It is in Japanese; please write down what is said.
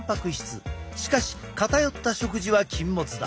しかし偏った食事は禁物だ。